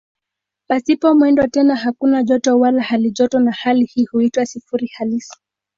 Pasipo mwendo tena hakuna joto wala halijoto na hali hii huitwa "sifuri halisi".